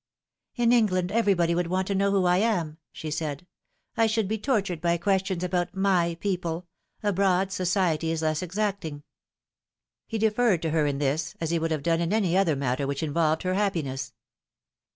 " In England everybody would want to know who I am," she In the Morning of Lift. 265 paid. " I should be tortured by questions about ' my people.' Abroad, society is less exacting." He deferred to her in this, as he would have done in any other matter which involved her happiness.